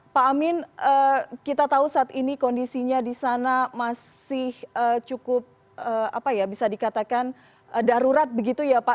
pak amin kita tahu saat ini kondisinya di sana masih cukup bisa dikatakan darurat begitu ya pak